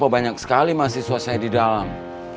banyak sekali mahasiswa saya di dalam